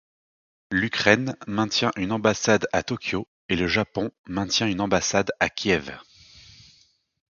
L'Ukraine maintient une ambassade à Tokyo, et le Japon maintient une ambassade à Kiev.